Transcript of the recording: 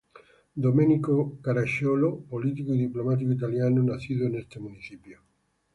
Domenico Caraccioloː político y diplomático italiano nacido en este municipio.